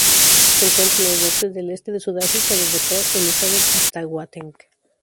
Se encuentra en los bosques del este de Sudáfrica desde Port Elizabeth hasta Gauteng.